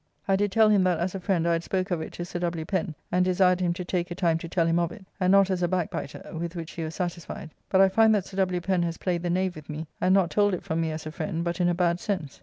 I did tell him that as a friend I had spoke of it to Sir W. Pen and desired him to take a time to tell him of it, and not as a backbiter, with which he was satisfied, but I find that Sir W. Pen has played the knave with me, and not told it from me as a friend, but in a bad sense.